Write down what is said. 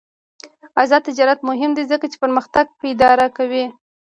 آزاد تجارت مهم دی ځکه چې پرمختګ پایداره کوي.